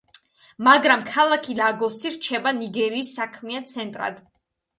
მაგრამ ქალაქი ლაგოსი რჩება ნიგერიის საქმიან ცენტრად.